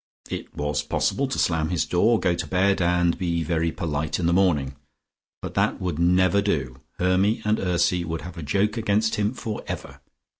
It was possible to slam his door, go to bed, and be very polite in the morning. But that would never do: Hermy and Ursy would have a joke against him forever.